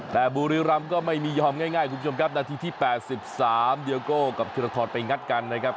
แต่บุรีรัมน์ก็ไม่มียอมง่ายง่ายคุณผู้ชมครับนาทีที่แปดสิบสามเดียวก็กับธิรัตน์ไปงัดกันนะครับ